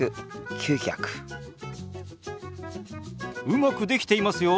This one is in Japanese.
うまくできていますよ